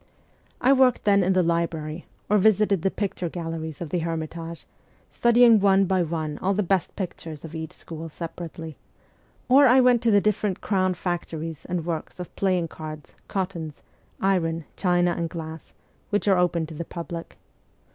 I worked then in the library, or visited the picture galleries of the Hermitage, studying one by one all the best pictures of each school separately ; or I went to the different Crown factories and works of playing cards, cottons, iron, china and glass, which are open to the public.